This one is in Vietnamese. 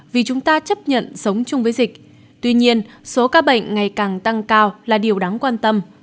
vì chúng ta chấp nhận sống chung với dịch tuy nhiên số ca bệnh ngày càng tăng cao là điều đáng quan tâm